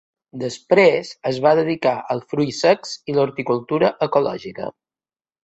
Després es va dedicar als fruits secs i l'horticultura ecològica.